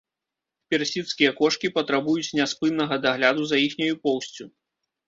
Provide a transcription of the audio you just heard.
Персідскія кошкі патрабуюць няспыннага дагляду за іхняю поўсцю.